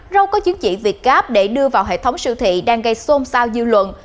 rau có chứng chỉ việt gap để đưa vào hệ thống siêu thị đang gây xôn xao dư luận